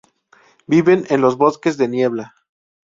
Viven en los bosques de niebla.